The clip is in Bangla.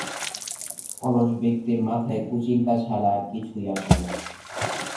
অলস ব্যক্তির মাথায় কুচিন্তা ছাড়া আর কিছুই আসে না।